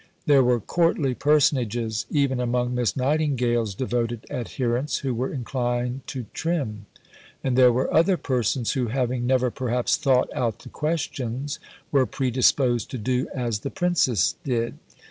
There were courtly personages even among Miss Nightingale's devoted adherents who were inclined to trim; and there were other persons, who, having never perhaps thought out the questions, were predisposed to do as the Princess did.